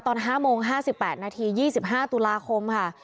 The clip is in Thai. ตอน๕โมง๕๘นาที๒๕ตุลาคมค่ะ